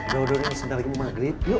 jodohnya sedalimu maghrib yuk